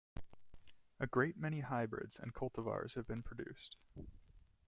A great many hybrids, and cultivars, have been produced.